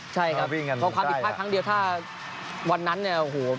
ใช่ครับเพราะความผิดพลาดครั้งเดียวถ้าวันนั้นเนี่ยโอ้โห